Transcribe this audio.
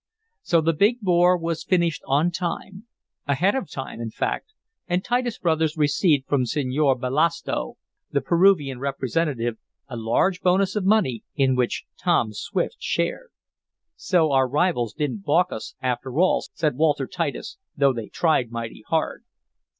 So the big bore was finished on time ahead of time in fact, and Titus Brothers received from Senor Belasdo, the Peruvian representative, a large bonus of money, in which Tom Swift shared. "So our rivals didn't balk us after all," said Walter Titus, "though they tried mighty hard."